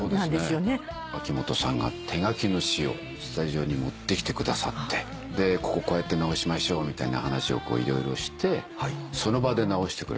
秋元さんが手書きの詞をスタジオに持ってきてくださってでこここうやって直しましょうみたいな話を色々してその場で直してくれて。